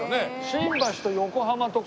新橋と横浜とか。